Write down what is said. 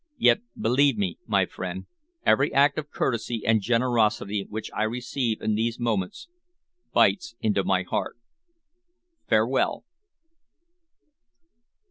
Yet believe me, my friend, every act of courtesy and generosity which I receive in these moments, bites into my heart. Farewell!"